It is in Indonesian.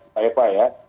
pak epa ya